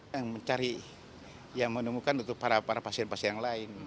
yang mencari yang menemukan untuk para pasien pasien yang lain